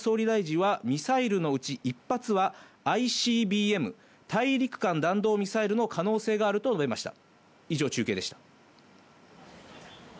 また先ほど、岸田総理大臣はミサイルのうち、１発はＩＣＢＭ＝大陸間弾道ミサイルの可能性があると述べました。